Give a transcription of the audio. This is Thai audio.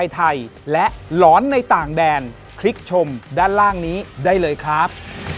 สวัสดีครับ